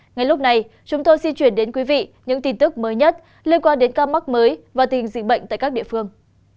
ngay lúc này chúng tôi xin chuyển đến quý vị những tin tức mới nhất liên quan đến ca mắc mới và tình dịch bệnh tại các địa phương